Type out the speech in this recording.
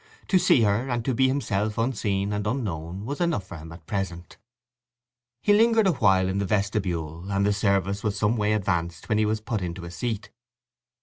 To see her, and to be himself unseen and unknown, was enough for him at present. He lingered awhile in the vestibule, and the service was some way advanced when he was put into a seat.